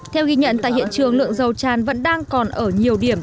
theo ghi nhận tại hiện trường lượng dầu tràn vẫn đang còn ở nhiều điểm